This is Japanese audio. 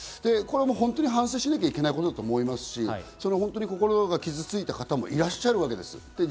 本当に反省しなきゃいけないことだと思いますし、心が傷ついた方もいらっしゃるわけです。